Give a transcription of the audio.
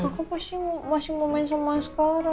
aku pasti masih mau main sama sekolah